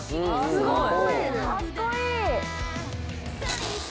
すごーい！